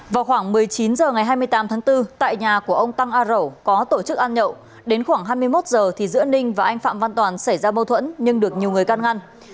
vào khoảng một mươi chín h ngày hai mươi tám tháng bốn tại nhà của ông tăng a rẩu có tổ chức ăn nhậu đến khoảng hai mươi một h thì giữa ninh và anh phạm văn toàn xảy ra mâu thuẫn nhưng được nhiều người can ngăn